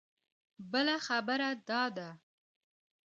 بله خبره دا ده.